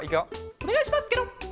おねがいしますケロ！